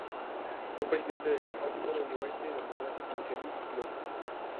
Fue presidente del "Oxford University Democratic Socialist Club".